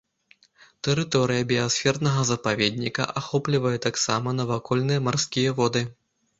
Тэрыторыя біясфернага запаведніка ахоплівае таксама навакольныя марскія воды.